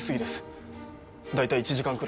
大体１時間くらい。